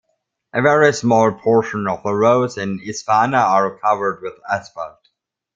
A very small portion of the roads in Isfana are covered with asphalt.